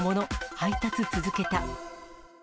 配達続けた。